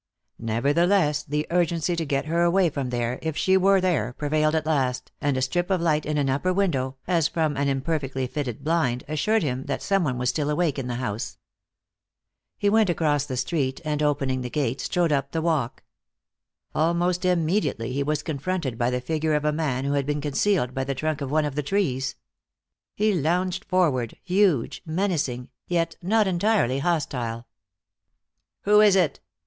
Nevertheless, the urgency to get her away from there, if she were there, prevailed at last, and a strip of light in an upper window, as from an imperfectly fitting blind, assured him that some one was still awake in the house. He went across the street and opening the gate, strode up the walk. Almost immediately he was confronted by the figure of a man who had been concealed by the trunk of one of the trees. He lounged forward, huge, menacing, yet not entirely hostile. "Who is it?"